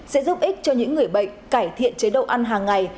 sẽ giúp ích cho những người bệnh cải thiện chế độ ăn hàng ngày